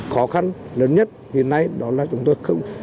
khó khăn lớn nhất hiện nay đó là chúng tôi không